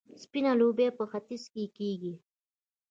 سپینه لوبیا په ختیځ کې کیږي.